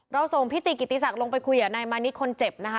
ส่งพิติกิติศักดิ์ลงไปคุยกับนายมานิดคนเจ็บนะคะ